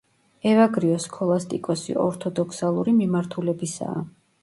ევაგრიოს სქოლასტიკოსი ორთოდოქსალური მიმართულებისაა.